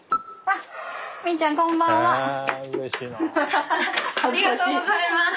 ありがとうございます。